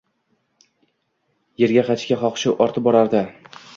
Yerga qaytishga xohishi ortib borardi.